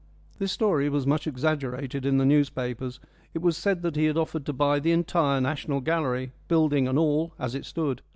This story was much exaggerated in the newspapers; it was said that he had offered to buy the entire National Gallery, building and all, as it stood.